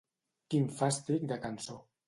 Quin fàstic de cançó.